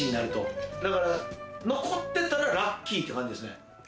残ってたらラッキーって感じですね。